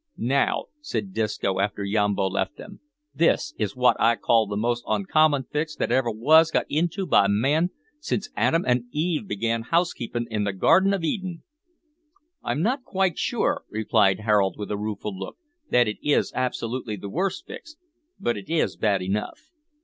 "Now," said Disco, after Yambo left them, "this is wot I call the most uncommon fix that ever wos got into by man since Adam an' Eve began housekeepin' in the garden of Eden." "I'm not quite sure," replied Harold, with a rueful look, "that it is absolutely the worst fix, but it is bad enough.